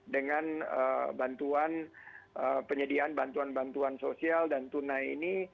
dengan bantuan penyediaan bantuan bantuan sosial dan tunai ini